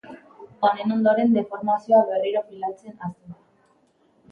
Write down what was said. Honen ondoren, deformazioa berriro pilatzen hasten da.